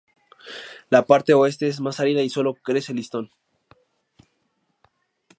La parte oeste es más árida y sólo crece listón.